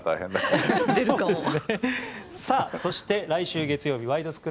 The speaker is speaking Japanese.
そして、来週月曜日「ワイド！